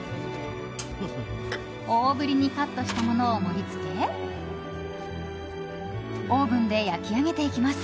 大ぶりにカットしたものを盛りつけオーブンで焼き上げていきます。